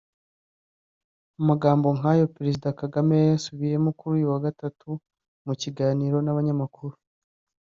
Amagambo nk’ayo Perezida Kagame yayasubiyemo kuri uyu wa Gatatu mu kiganiro n’abanyamakuru